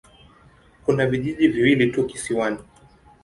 Kuna vijiji viwili tu kisiwani.